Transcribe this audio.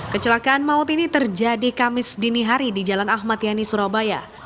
kecelakaan maut ini terjadi kamis dini hari di jalan ahmad yani surabaya